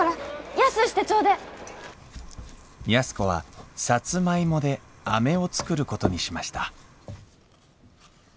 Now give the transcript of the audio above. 安子はさつまいもでアメを作ることにしました。